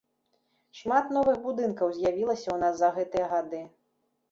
Шмат новых будынкаў з'явілася ў нас за гэтыя гады.